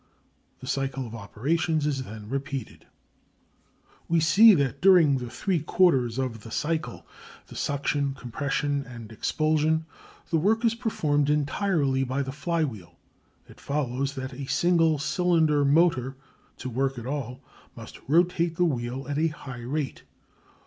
The cycle of operations is then repeated. We see that during three quarters of the "cycle" the suction, compression, and expulsion the work is performed entirely by the flywheel. It follows that a single cylinder motor, to work at all, must rotate the wheel at a high rate.